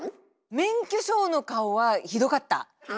免許証の顔はひどかった！